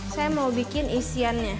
saya mau bikin isiannya